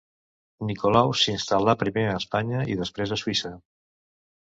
Nicolau s'instal·là primer a Espanya i després a Suïssa.